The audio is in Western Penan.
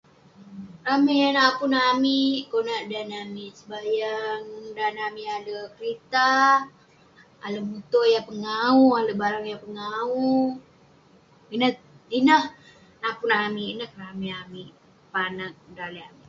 ramey napun amik konak dan amik sebayang, dan amik alek kerita, alek muto yah pengawu, alek barang yah pengawu, ineh napun amik ineh keramey amik panak tong daleh amik